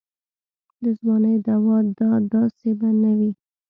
د ځوانۍ دوا دا داسې به نه وي.